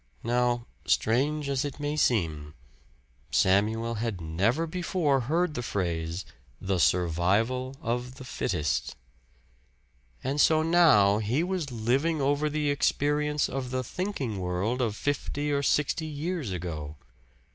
Now, strange as it may seem, Samuel had never before heard the phrase, "the survival of the fittest." And so now he was living over the experience of the thinking world of fifty or sixty years ago.